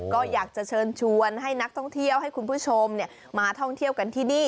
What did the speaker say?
ก็อยากจะเชิญชวนให้นักท่องเที่ยวให้คุณผู้ชมมาท่องเที่ยวกันที่นี่